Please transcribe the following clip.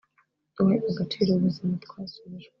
Duhe agaciro ubuzima twasubijwe